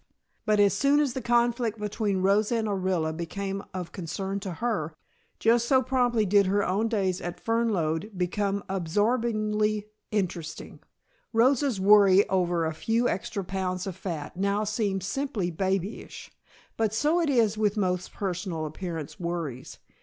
But as soon as the conflict between Rosa and Orilla became of concern to her, just so promptly did her own days at Fernlode become absorbingly interesting. Rosa's worry over a few extra pounds of fat now seemed simply babyish, but so it is with most personal appearance worries.